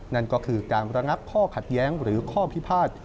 นั่นก็คือการระงับข้อขัดแย้งหรือข้อพิพาท